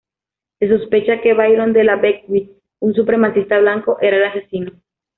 Se sospechaba que Byron De La Beckwith, un supremacista blanco, era el asesino.